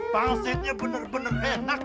pangsitnya bener bener enak